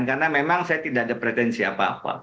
karena memang saya tidak ada pretensi apa apa